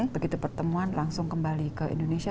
begitu pertemuan langsung kembali ke indonesia